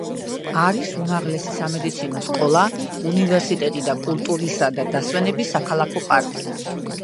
არის უმაღლესი სამედიცინო სკოლა, უნივერსიტეტი და კულტურისა და დასვენების საქალაქო პარკი.